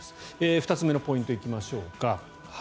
２つ目のポイントに行きましょうか。